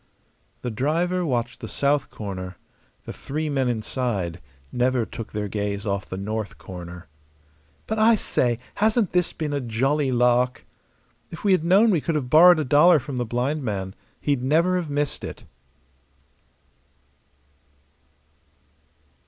The driver watched the south corner; the three men inside never took their gaze off the north corner. "But, I say, hasn't this been a jolly lark?" "If we had known we could have borrowed a dollar from the blind man; he'd never have missed it."